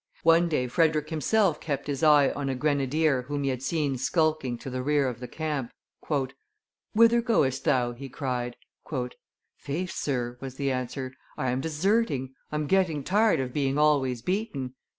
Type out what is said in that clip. One day Frederick himself kept his eye on a grenadier whom he had seen skulking to the rear of the camp. "Whither goest thou?" he cried. "Faith, sir," was the answer, "I am deserting; I'm getting tired of being always beaten."